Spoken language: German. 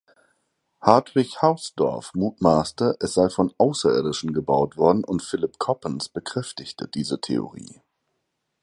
Hartwig Hausdorf mutmaßte, es sei von Außerirdischen gebaut worden, und Philip Coppens bekräftigte diese Theorie.